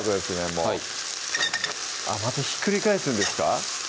もうはいあっまたひっくり返すんですか？